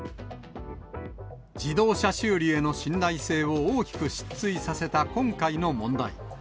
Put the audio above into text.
自動車修理への信頼性を大きく失墜させた今回の問題。